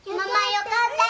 よかったね。